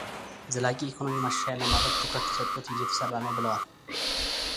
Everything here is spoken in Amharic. ዘላቂ የኢኮኖሚ ማሻሻያ ለማድረግ ትኩረት ተሰጥቶ እየተሰራ ነው ብለዋል።